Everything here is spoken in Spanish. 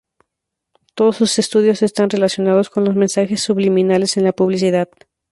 Todos sus estudios están relacionados con los mensajes subliminales en la publicidad.